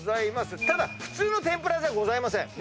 ただ普通の天ぷらじゃございません。